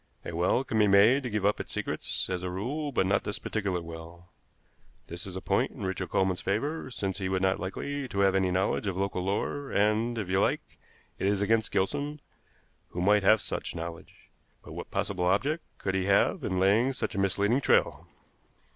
A well can be made to give up its secrets, as a rule, but not this particular well. This is a point in Richard Coleman's favor, since he would not be likely to have any knowledge of local lore; and, if you like, it is against Gilson, who might have such knowledge. But what possible object could he have in laying such a misleading trail?"